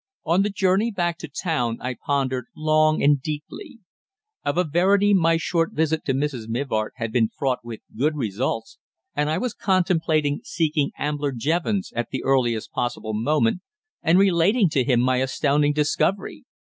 On the journey back to town I pondered long and deeply. Of a verity my short visit to Mrs. Mivart had been fraught with good results, and I was contemplating seeking Ambler Jevons at the earliest possible moment and relating to him my astounding discovery.